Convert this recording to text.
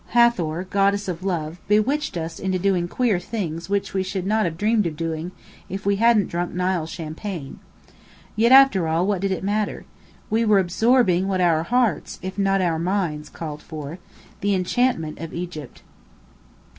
Hathor, goddess of Love, bewitched us into doing queer things which we should not have dreamed of doing if we hadn't drunk "Nile champagne." Yet after all, what did it matter? We were absorbing what our hearts, if not our minds, called out for: the enchantment of Egypt.